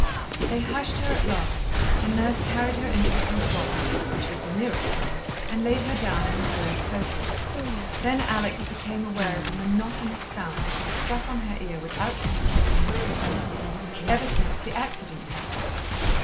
They hushed her at last, and Nurse carried her into the boudoir, which was the nearest room, and laid her down on the broad sofa. Then Alex became aware of a monotonous sound that had struck on her ear without penetrating to her senses ever since the accident happened.